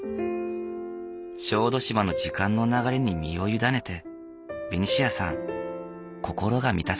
小豆島の時間の流れに身を委ねてベニシアさん心が満たされた。